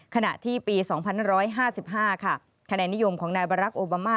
ขณะที่ปี๒๕๕ค่ะคะแนนนิยมของนายบารักษ์โอบามา